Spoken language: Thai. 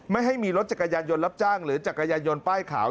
ไม่ให้มีรถจักรยานยนต์รับจ้างหรือจักรยานยนต์ป้ายขาว